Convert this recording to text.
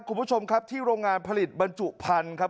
คุณผู้ชมครับที่โรงงานผลิตบรรจุพันธุ์ครับ